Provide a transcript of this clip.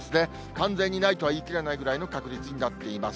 完全にないとは言い切れないぐらいの確率になっています。